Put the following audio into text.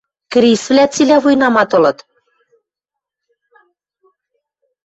Крисвлӓ цилӓ вуйнамат ылыт...